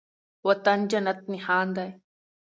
وطن جنت نښان دی